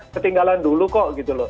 ketinggalan dulu kok